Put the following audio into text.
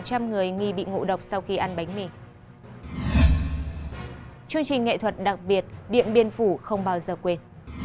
chương trình nghệ thuật đặc biệt điện biên phủ không bao giờ quên